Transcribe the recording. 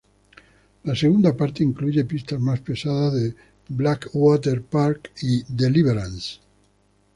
La segunda parte incluye pistas más pesadas de "Blackwater Park" y "Deliverance".